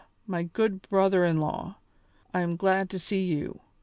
my good brother in law, I am glad to see you.